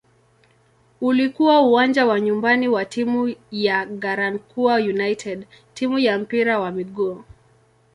Ulikuwa uwanja wa nyumbani wa timu ya "Garankuwa United" timu ya mpira wa miguu.